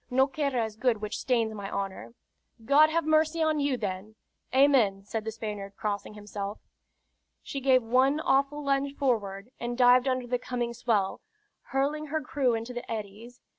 No querra is good which stains my honor." "God have mercy on you, then!" "Amen!" said the Spaniard, crossing himself. She gave one awful lunge forward, and dived under the coming swell, hurling her crew into the eddies.